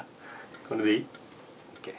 これでいい？